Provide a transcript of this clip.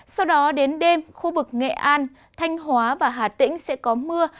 sau đó đến đêm khu vực nghệ an thanh hóa và hà tĩnh sẽ có mưa